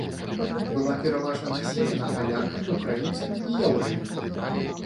Была пераважна населена палякамі, украінцамі і яўрэямі.